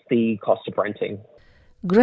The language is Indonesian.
dengan kecepatan yang menurut saya